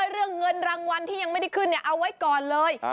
เรื่องเงินรางวัลที่ยังไม่ได้ขึ้นเอาไว้ก่อนเลย